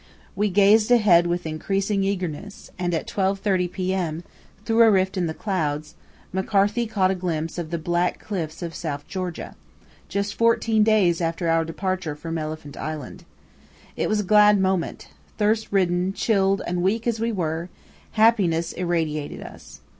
We gazed ahead with increasing eagerness, and at 12.30 p.m., through a rift in the clouds, McCarthy caught a glimpse of the black cliffs of South Georgia, just fourteen days after our departure from Elephant Island. It was a glad moment. Thirst ridden, chilled, and weak as we were, happiness irradiated us.